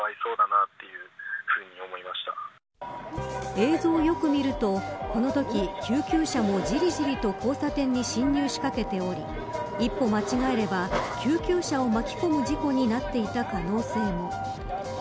映像をよく見るとこのとき救急車もじりじりと交差点に進入しかけており一歩間違えれば救急車を巻き込む事故になっていた可能性も。